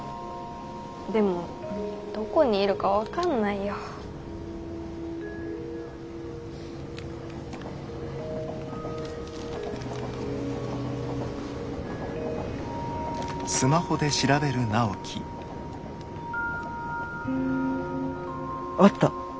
でもどこにいるか分かんないよ。あった！